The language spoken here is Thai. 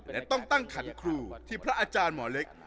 และต้องตั้งขันครูที่พระอาจารย์หมอเล็ก